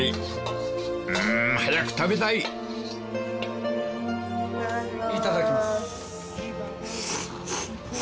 ［ん早く食べたい］いただきます。